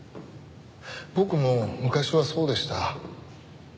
僕も昔はそうでした。